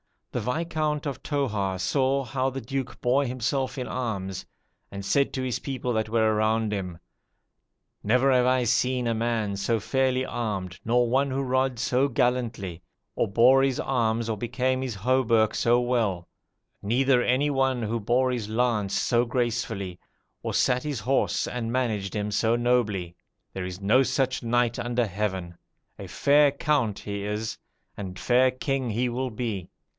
The Viscount of Toarz saw how the Duke bore himself in arms, and said to his people that were around him, 'Never have I seen a man so fairly armed, nor one who rods so gallantly, or bore his arms or became his hauberk so well; neither any one who bore his lance so gracefully, or sat his horse and managed him so nobly. There is no such knight under heaven! a fair count he is, and fair king he will be.